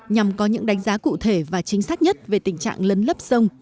nhằm có những đánh giá cụ thể và chính xác nhất về tình trạng lấn lấp sông